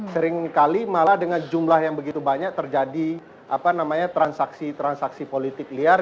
seringkali malah dengan jumlah yang begitu banyak terjadi transaksi transaksi politik liar